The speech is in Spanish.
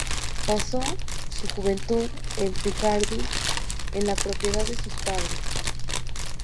Pasó su juventud en Picardie en la propiedad de sus padres.